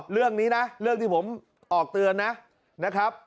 เรื่องนี้นะเรื่องที่ผมออกเตริญนะ